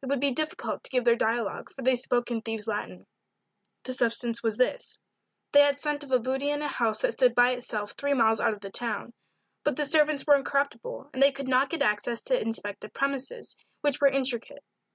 It would be difficult to give their dialogue, for they spoke in thieves' Latin. The substance was this: They had scent of a booty in a house that stood by itself three miles out of the town. But the servants were incorruptible, and they could not get access to inspect the premises, which were intricate.